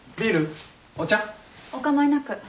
お構いなく。